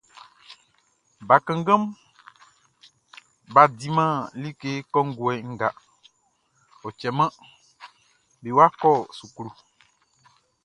Bakannganʼm bʼa diman like kɔnguɛ nga, ɔ cɛman be wa kɔ suklu.